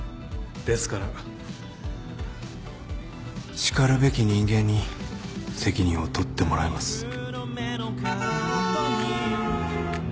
ですからしかるべき人間に責任を取ってもらいます。